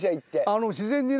あの自然にね。